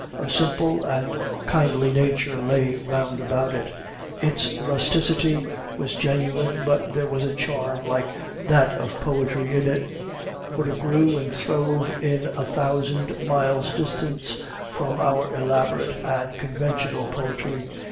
A simple and kindly nature lay round about it; its rusticity was genuine, but there was a charm like that of poetry in it; for it grew and throve at a thousand miles' distance from our elaborate and conventional poetry.